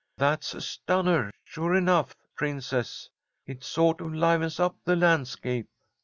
That's a stunner, sure enough, Princess. It sort of livens up the landscape."